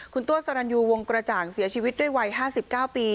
คุณตัวสรรญูวงกระจ่างเสียชีวิตด้วยวัยห้าสิบเก้าปี